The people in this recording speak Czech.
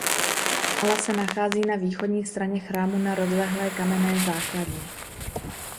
Hala se nachází na východní straně chrámu na rozlehlé kamenné základně.